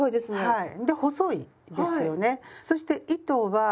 はい。